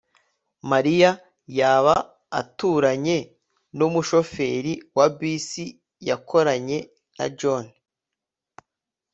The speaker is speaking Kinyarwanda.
mariya yaba aturanye numushoferi wa bisi yakoranye na john